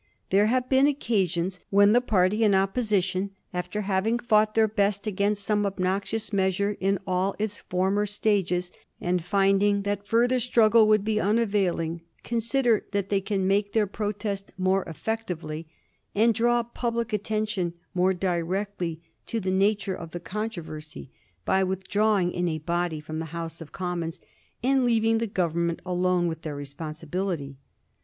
There have been occasions when the party in Opposition, after having fought their best against some obnoxious measure in all its former stages, and finding that further struggle would be unavailing, consider that they can make their protest more effect ively, and draw public attention more directly to the nature of the controversy, by withdrawing in a body from the House of Commons, and leaving the Govern ment alone with their responsibility.